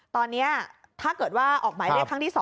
ตอนนี้ถ้าเกิดว่าออกไหมเลขครั้งที่๒